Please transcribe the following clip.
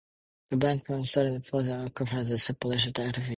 The band Halifax started in Thousand Oaks, California as a simple leisure activity.